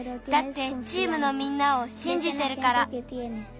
だってチームのみんなをしんじてるから。